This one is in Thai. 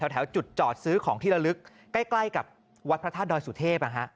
แถวจุดจอดซื้อของที่ละลึกใกล้กับวัดพระธาตุดอยสุเทพ